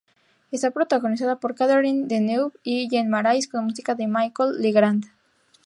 Está protagonizada por Catherine Deneuve y Jean Marais, con música de Michel Legrand.